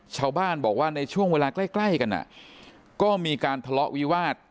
ชาวบ้านบอกว่าในช่วงเวลาใกล้กันก็มีการทะเลาะวิวาส